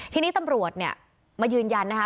ทีนี้ตำรวจเนี่ยมายืนยันนะคะ